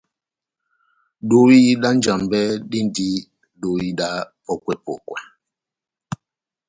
Dohi dá Njambɛ díndi dóhi dá pɔ́kwɛ-pɔkwɛ.